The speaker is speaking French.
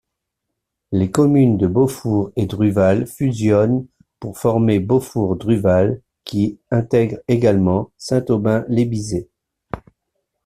Les communes de Beaufour et Druval fusionnent pour former Beaufour-Druval qui intègre également Saint-Aubin-Lébizay.